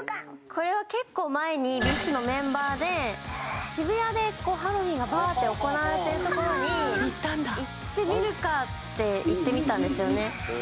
これは結構前にＢｉＳＨのメンバーで渋谷でハロウィンがバッて行われてるところに行ってみるかって行ってみたんですよね